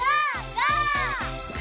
ゴー！